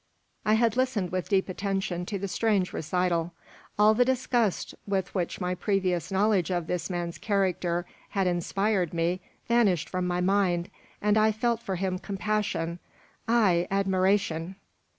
I had listened with deep attention to the strange recital. All the disgust with which my previous knowledge of this man's character had inspired me vanished from my mind, and I felt for him compassion ay, admiration.